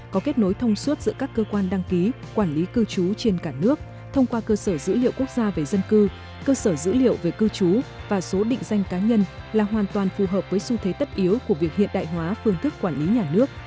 cơ sở dữ liệu quốc gia về dân cư cơ sở dữ liệu về cư trú và số định danh cá nhân là hoàn toàn phù hợp với xu thế tất yếu của việc hiện đại hóa phương thức quản lý nhà nước